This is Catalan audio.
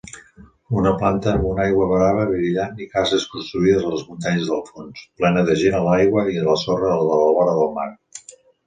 Una planta amb una aigua blava brillant i cases construïdes a les muntanyes del fons, plena de gent a l'aigua i a la sorra de la vora del mar.